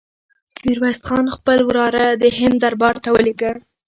میرویس خان خپل وراره د هند دربار ته ولېږه.